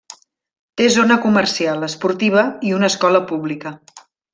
Té zona comercial, esportiva i una escola pública.